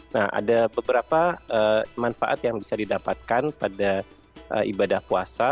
nah ada beberapa manfaat yang bisa didapatkan pada ibadah puasa